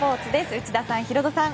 内田さん、ヒロドさん